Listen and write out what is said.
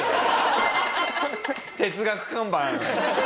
「哲学看板」。